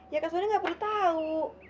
ya kak suni gak perlu tau